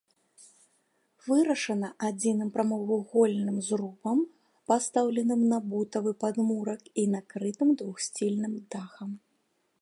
Вырашана адзіным прамавугольным зрубам, пастаўленым на бутавы падмурак і накрытым двухсхільным дахам.